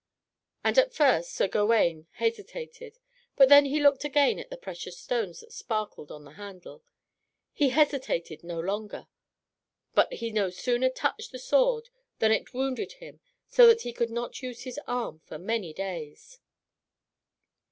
And at first Sir Gawaine hesitated. But when he looked again at the precious stones that sparkled on the handle, he hesitated no longer. But he no sooner touched the sword than it wounded him, so that he could not use his arm for many days.